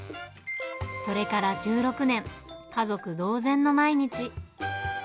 それから１６年、家族同然の毎日。